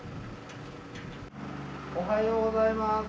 おはようございます。